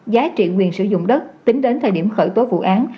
giá trị quyền sử dụng đất tính đến thời điểm khởi tố vụ án